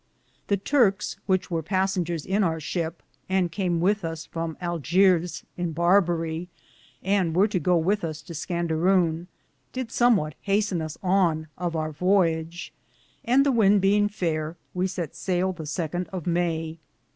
The Turkes which weare passingeres in our shipp, and came with us from Argeare in Barbaria, and were to goo wythe us to Scandarowne, did somwate hasten us on of our voyege, and, the wynd beinge fayer, we sett sayle the second of Maye.